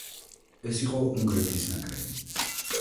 ეს იყო უნგრეთის ნაკრები.